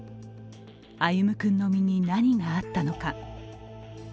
歩夢君の身に何があったのか。